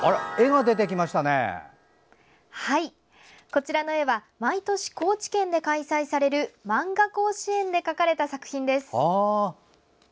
こちらの絵は毎年、高知県で開催されるまんが甲子園で描かれた作品です。